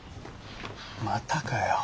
またかよ。